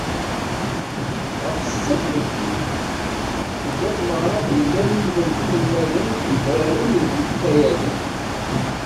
Ɣef ssetta n tmeddit, tebda tmeɣra i d-yellan ilmend n yinelmaden i d-yufraren deg yikayaden.